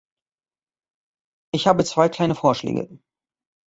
Ich habe zwei kleine Vorschläge.